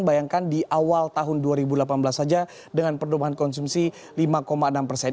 bayangkan di awal tahun dua ribu delapan belas saja dengan pertumbuhan konsumsi lima enam persen